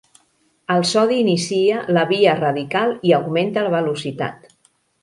El sodi inicia la via radical i augmenta la velocitat.